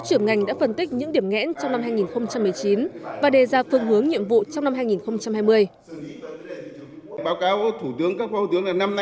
qua phương hướng nhiệm vụ trong năm hai nghìn hai mươi